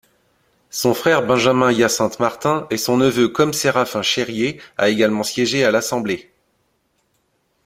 Son frère Benjamin-Hyacinthe-Martin et son neveu Côme-Séraphin Cherrier a également siégé à l'Assemblée.